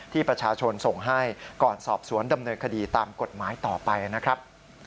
ที่ประชาชนส่งให้ก่อนสอบสวนดำเนินคดีตามกฎหมายต่อไปนะครับ